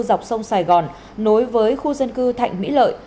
dọc sông sài gòn nối với khu dân cư thạnh mỹ lợi